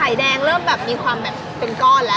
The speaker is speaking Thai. ไข่แดงเริ่มมีความเป็นก้อนแล้วมีกลมแล้ว